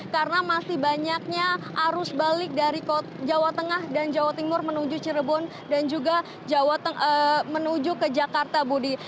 karena masih banyaknya arus balik dari jawa tengah dan jawa timur menuju cirebon dan juga menuju ke jakarta budi